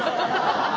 ハハハハ！